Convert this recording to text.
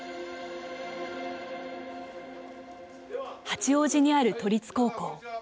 八王子にある都立高校。